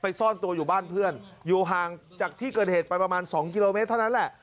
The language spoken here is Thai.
ซ่อนตัวอยู่บ้านเพื่อนอยู่ห่างจากที่เกิดเหตุไปประมาณ๒กิโลเมตรเท่านั้นแหละ